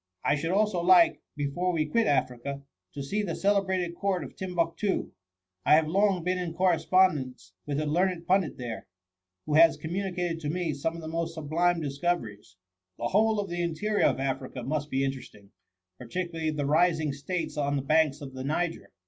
I should also like, before we quit Africa, to see the celebrated court of TimbuQtoo. I have long been in correspon dence with a learned pundit there, who has communicated to me some of the most sublime discoveries. " The whole of the interior of Africa must be interesting, particularly the rising states on the banks of the Niger.